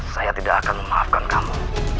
saya tidak akan memaafkan kamu